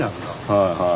はいはい。